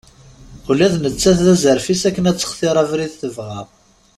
Ula d nettat d aẓref-is akken ad textir abrid tebɣa.